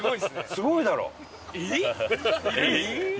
すごいだろう？